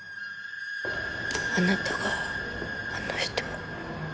あなたがあの人を